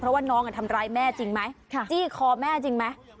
เพราะว่าน้องทำร้ายแม่จริงไหมจี้คอแม่จริงไหม